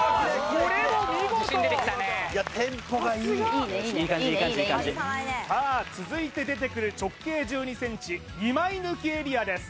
これも見事いい感じいい感じさあ続いて出てくる直径１２ｃｍ２枚抜きエリアです